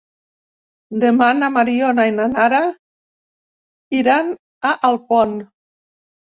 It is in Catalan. Demà na Mariona i na Nara iran a Alpont.